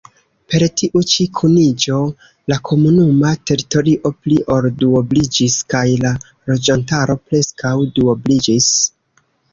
Per tiu-ĉi kuniĝo la komunuma teritorio pli ol duobliĝis kaj la loĝantaro preskaŭ duobliĝis.